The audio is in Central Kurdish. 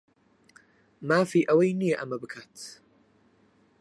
مافی ئەوەی نییە ئەمە بکات.